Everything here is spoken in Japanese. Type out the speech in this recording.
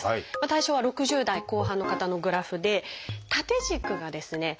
対象は６０代後半の方のグラフで縦軸がですね